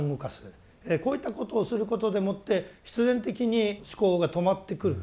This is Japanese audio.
こういったことをすることでもって必然的に思考が止まってくる。